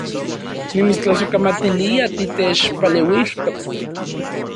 Nimitstlasojkamatilia titechpaleuijtok